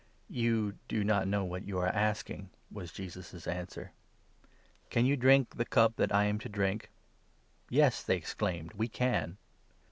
" You do not know what you are asking," was Jesus' answer. 22 " Can you drink the cup that I am to drink ?"" Yes," they exclaimed, "we can."